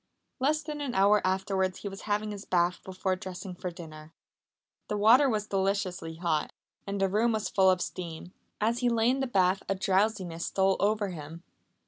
Less than an hour afterwards he was having his bath before dressing for dinner. The water was deliciously hot, and the room was full of steam. As he lay in the bath a drowsiness stole over him.